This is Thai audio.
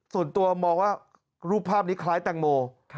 ส่วนตัวมองว่ารูปภาพนี้คล้ายแตงโม